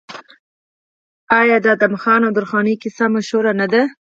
آیا د ادم خان او درخانۍ کیسه مشهوره نه ده؟